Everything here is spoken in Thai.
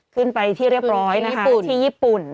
ขึ้นไปที่เรียบร้อยที่ญี่ปุ่น